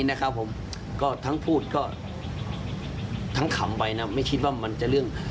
นะครับผมก็ทั้งพูดก็ทั้งขำไปนะไม่คิดว่ามันจะเรื่อง